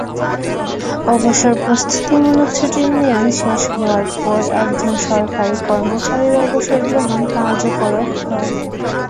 অবসর প্রস্ত্ততিমূলক ছুটির মেয়াদ শেষ হওয়ার পর একজন সরকারি কর্মচারীর অবসর গ্রহণ কার্যকর হয়।